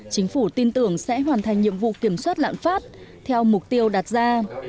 chính phủ tin tưởng sẽ hoàn thành nhiệm vụ kiểm soát lãng phát theo mục tiêu đặt ra